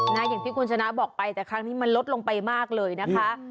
อย่างที่คุณชนะบอกไปแต่ครั้งนี้มันลดลงไปมากเลยนะคะ